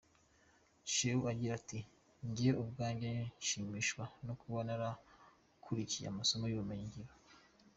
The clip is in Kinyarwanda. Chew agira ati “Njye ubwanjye nshimishwa no kuba narakurikiye amasomo y’ubumenyi ngiro.